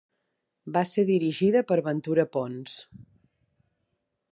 Va ser dirigida per Ventura Pons.